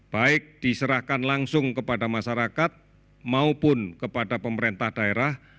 baik diserahkan langsung kepada masyarakat maupun kepada pemerintah daerah